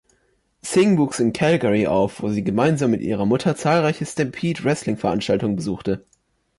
Sing wuchs in Calgary auf, wo sie gemeinsam mit ihrer Mutter zahlreiche Stampede Wrestling-Veranstaltungen besuchte.